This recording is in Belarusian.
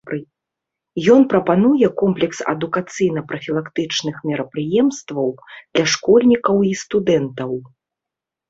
Ён прапануе комплекс адукацыйна-прафілактычных мерапрыемстваў для школьнікаў і студэнтаў.